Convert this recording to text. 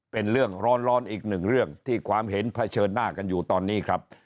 เป็นเรื่องร้อนอีกหนึ่งเรื่องที่ความเห็นเผชิญหน้ากันอยู่ตอนนี้ครับ